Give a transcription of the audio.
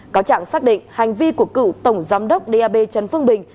cáo trạng xác định hành vi của cựu tổng giám đốc d a b trần phương bình